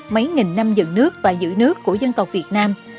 mấy nghìn năm dựng nước và giữ nước của dân tộc việt nam